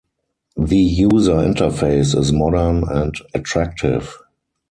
The user interface is modern and attractive.